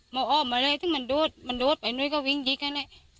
มออมาเลยซึ่งมันโดดมันโดดไปหนูก็วิ่งยิกอันนี้